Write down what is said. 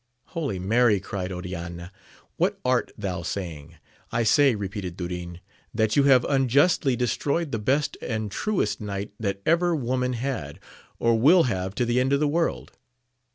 Holy Mary ! cried Oriana, what art thou saying ? I say, repeated Duriii, that you have unjustly destroyed the best and truest knight that ever woman had, or will have to the end of the world.